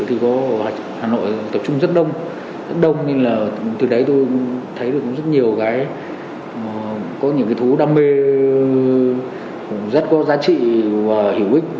hà nội tập trung rất đông nên từ đấy tôi thấy được rất nhiều thú đam mê rất có giá trị và hữu ích